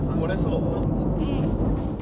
うん。